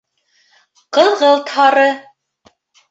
Ҡыҙғылт-һары